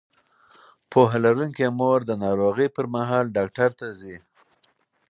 پوهه لرونکې مور د ناروغۍ پر مهال ډاکټر ته ځي.